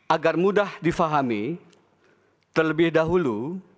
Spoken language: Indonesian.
agar mudah difahami terlebih dahulu